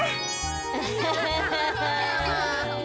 アハハハ。